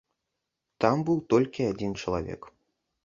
Там быў толькі адзін чалавек.